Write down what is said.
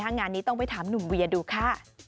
งานนี้ต้องไปถามหนุ่มเวียดูค่ะ